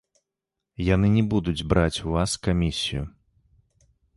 Яны не будуць браць у вас камісію.